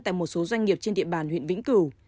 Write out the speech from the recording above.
tại một số doanh nghiệp trên địa bàn huyện vĩnh cửu